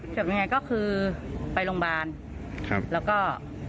จบยังไงก็คือไปโรงพยาบาล